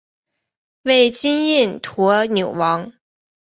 为金印驼纽王。